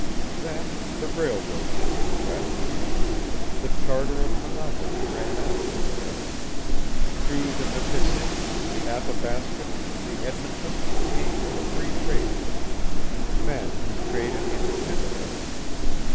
"Then the railroad entered the west. The charter of monopoly ran out. Through the Nipissing, the Athabasca, the Edmonton, came the Free Traders men who traded independently.